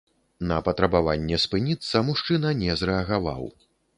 На патрабаванне спыніцца мужчына не зрэагаваў.